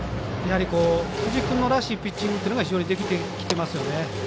辻君らしいピッチングというのができてきてますよね。